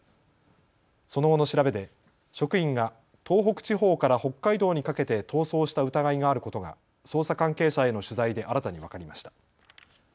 その後の調べで職員が東北地方から北海道にかけて逃走した疑いがあることが捜査関係者への取材で新たに分かりました。